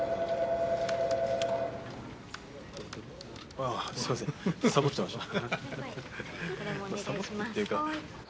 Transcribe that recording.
あぁすいませんサボってました。